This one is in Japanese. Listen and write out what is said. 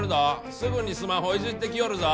すぐにスマホいじってきよるぞ。